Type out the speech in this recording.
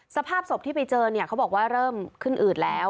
สภาพศพที่ไปเจอเนี่ยเขาบอกว่าเริ่มขึ้นอืดแล้ว